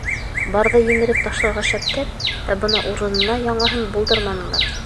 Барҙы емереп ташларға шәптәр, ә бына урынына яңыһын булдырманылар.